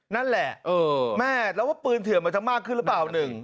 นั่นแหละแม่แล้วว่าปืนเถื่อนมันจะมากขึ้นหรือเปล่า